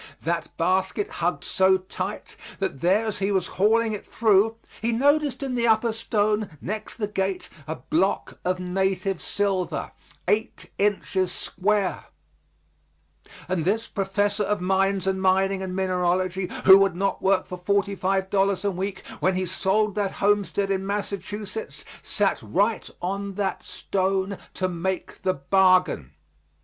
That basket hugged so tight there that as he was hauling it through he noticed in the upper stone next the gate a block of native silver, eight inches square; and this professor of mines and mining and mineralogy, who would not work for forty five dollars a week, when he sold that homestead in Massachusetts, sat right on that stone to make the bargain.